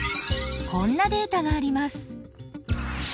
こんなデータがあります。